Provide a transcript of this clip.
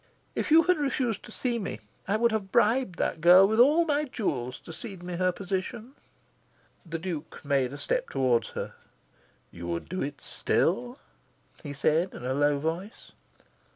If you had refused to see me, I would have bribed that girl with all my jewels to cede me her position." The Duke made a step towards her. "You would do it still," he said in a low voice.